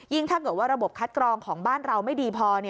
ถ้าเกิดว่าระบบคัดกรองของบ้านเราไม่ดีพอ